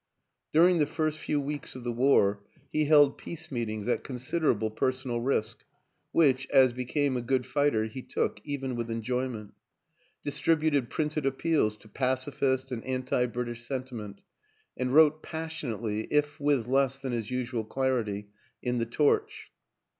During the first few weeks of the war he held peace meetings at con siderable personal risk, which, as became a good fighter, he took, even with enjoyment; distributed printed appeals to pacifist and anti British senti ment and wrote passionately, if with less than his usual clarity, in The Torch.